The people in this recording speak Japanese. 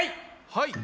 はい。